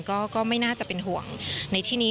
ก็ไม่น่าจะเป็นห่วงในที่นี้